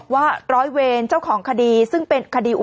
ปรากฏว่าสิ่งที่เกิดขึ้นคลิปนี้ฮะ